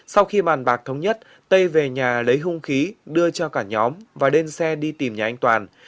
sau khi bàn bạc thống nhất tây về nhà lấy hung khí đưa cho cả nhóm và lên xe đi tìm nhà anh toàn